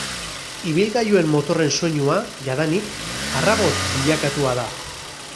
Ibilgailuen motorren soinua, jadanik, harrabots bilakatua da.